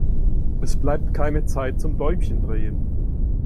Es bleibt keine Zeit zum Däumchen drehen.